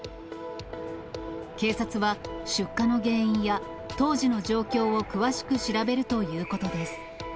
警察は、出火の原因や、当時の状況を詳しく調べるということです。